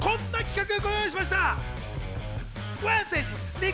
こんな企画、ご用意しました。